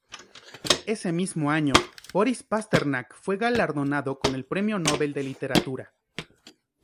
Ese mismo año Borís Pasternak fue galardonado con el Premio Nobel de Literatura.